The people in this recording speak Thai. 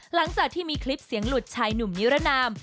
หลังจากที่มีคลิปเสียงหลุดชายหนุ่มนิรนาม